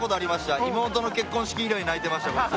妹の結婚式以来泣いてました。